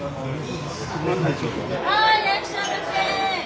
はいいらっしゃいませ！